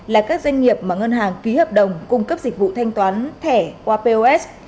là các doanh nghiệp mà ngân hàng ký hợp đồng cung cấp dịch vụ thanh toán thẻ qua pos